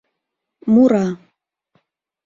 Мура.